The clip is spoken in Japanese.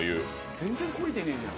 全然、懲りてねえじゃん。